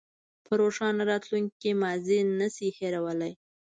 په روښانه راتلونکي کې ماضي نه شئ هېرولی.